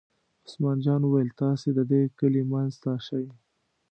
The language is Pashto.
عثمان جان وویل: تاسې د دې کلي منځ ته شئ.